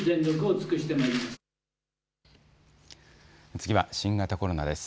次は新型コロナです。